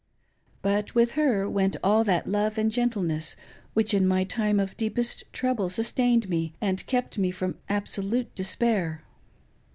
But, with ber went all that love and gentleness which in my time of deepest trouble sustained me and kept me from abso lute despair.